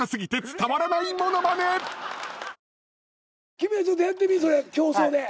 君らちょっとやってみいそれ競争で。